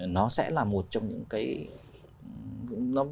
nó sẽ là một trong những cái